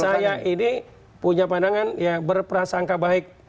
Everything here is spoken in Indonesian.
iya saya ini punya pandangan yang berprasangka baik